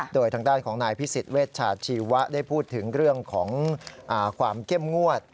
โดยทางด้านของนายพิสิทธิเวชชาชีวะได้พูดถึงเรื่องของความเข้มงวด